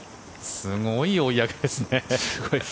すごい追い上げですね。